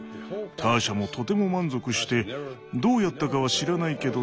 ターシャもとても満足して「どうやったかは知らないけど大好きよ」